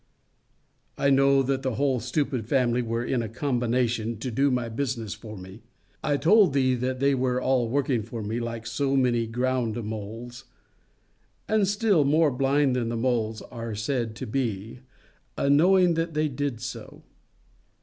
I knew that the whole stupid family were in a combination to do my business for me. I told thee that they were all working for me, like so many ground moles; and still more blind than the moles are said to be, unknowing that they did so.